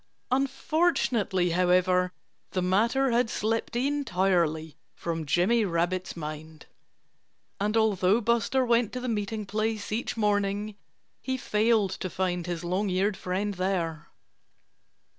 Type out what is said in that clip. Unfortunately, however, the matter had slipped entirely from Jimmy Rabbit's mind. And although Buster went to the meeting place each morning, he failed to find his long eared friend there.